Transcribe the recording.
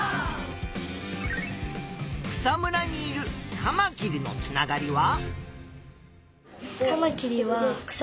草むらにいるカマキリのつながりは？